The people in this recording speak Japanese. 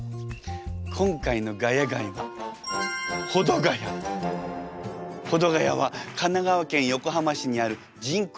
今回の「ヶ谷街」は保土ヶ谷は神奈川県横浜市にある人口